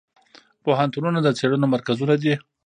پوهنتونونه د څیړنو مرکزونه دي.